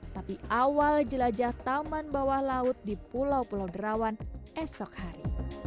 tapi awal jelajah taman bawah laut di pulau pulau derawan esok hari